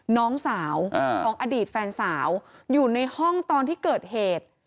น้องสาวของอดีตแฟนสาวอยู่ในห้องตอนที่เกิดเหตุ